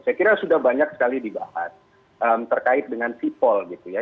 saya kira sudah banyak sekali dibahas terkait dengan sipol gitu ya